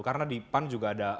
karena di pan juga ada